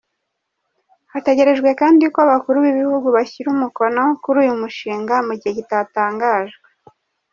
Hategerejwe kandi ko abakuru b’ibihugu bashyira umukono kuri uyu mushinga mu gihe kitatangajwe.